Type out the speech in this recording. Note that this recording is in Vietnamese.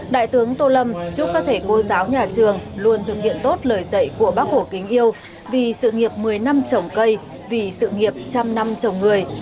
đại tướng tô lâm chúc các thầy cô giáo nhà trường luôn thực hiện tốt lời dạy của bác hổ kính yêu vì sự nghiệp một mươi năm trồng cây vì sự nghiệp trăm năm trồng người